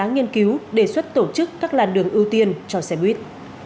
nghiên cứu đề xuất tổ chức các làn đường ưu tiên cho xe buýt